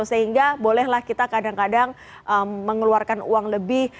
sehingga bolehlah kita kadang kadang mengeluarkan uang lebih